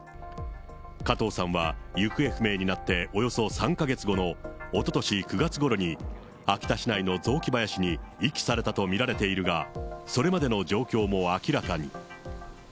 加藤さんは、行方不明になっておよそ３か月後のおととし９月ごろに、秋田市内の雑木林に遺棄されたと見られているが、それまでの状況も明らかに。